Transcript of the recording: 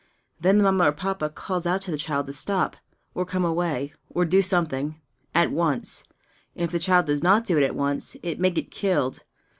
Then the Mamma or Papa calls out to the child to stop, or come away, or do something, at once; and if the child does not do it at once, it may get killed.